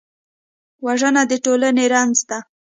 وژنه د ټولنې رنځ ده